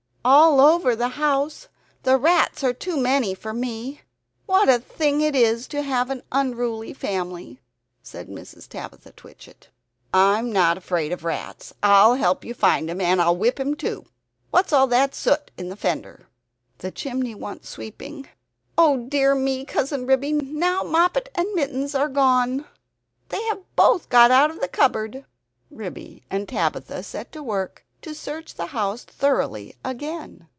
"All over the house! The rats are too many for me. What a thing it is to have an unruly family!" said Mrs. Tabitha Twitchit. "I'm not afraid of rats; I will help you to find him; and whip him, too! What is all that soot in the fender?" "The chimney wants sweeping Oh, dear me, Cousin Ribby now Moppet and Mittens are gone! "They have both got out of the cupboard!" Ribby and Tabitha set to work to search the house thoroughly again.